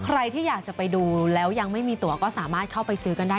ใครที่อยากจะไปดูแล้วยังไม่มีตัวก็สามารถเข้าไปซื้อกันได้